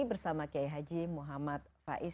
bersama kiai haji muhammad faiz